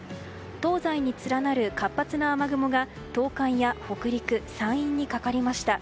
東西に連なる活発な雨雲が東海や北陸、山陰にかかりました。